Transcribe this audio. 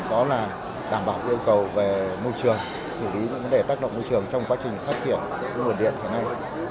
đó là đảm bảo được yêu cầu về môi trường giữ lý những vấn đề tác động môi trường trong quá trình phát triển nguồn điện thế này